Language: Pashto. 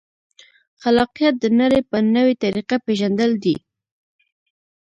خلاقیت د نړۍ په نوې طریقه پېژندل دي.